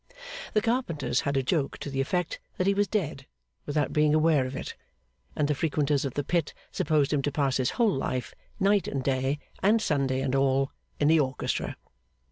The carpenters had a joke to the effect that he was dead without being aware of it; and the frequenters of the pit supposed him to pass his whole life, night and day, and Sunday and all, in the orchestra.